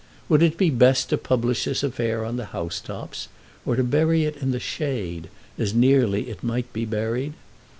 Would it be best to publish this affair on the house tops, or to bury it in the shade, as nearly as it might be buried?